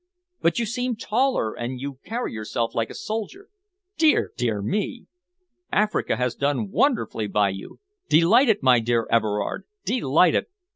But you seem taller, and you carry yourself like a soldier. Dear, dear me! Africa has done wonderfully by you. Delighted, my dear Everard! Delighted!"